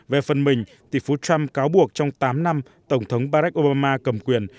về phần mình tỷ phú trump cáo buộc trong tám năm tổng thống barack oroma cầm quyền